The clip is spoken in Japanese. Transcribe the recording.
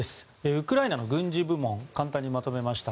ウクライナの軍事部門を簡単にまとめました。